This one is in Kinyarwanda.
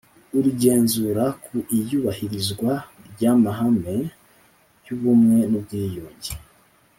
uIgenzura ku iyubahirizwa ry amahame y ubumwe n ubwiyunge